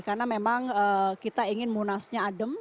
karena memang kita ingin munasnya adem